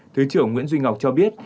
thứ trưởng nguyễn duy ngọc cho biết